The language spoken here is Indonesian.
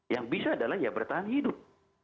yang bisa adalah ya bertahan hidup